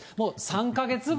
３か月分。